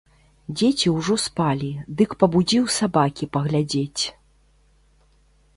Дзеці ўжо спалі, дык пабудзіў сабакі паглядзець.